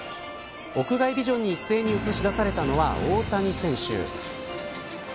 屋外ビジョンに一斉に映し出されたのは大谷選手。